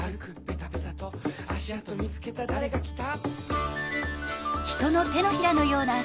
「あしあとみつけただれがきた？」